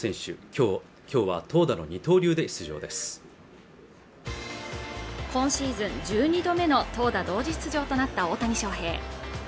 きょうは投打の二刀流で出場です今シーズン１２度目の投打同時出場となった大谷翔平